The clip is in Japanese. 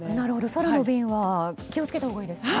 空の便は気を付けたほうがいいですね。